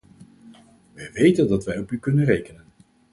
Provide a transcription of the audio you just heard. Wij weten dat wij op u kunnen rekenen.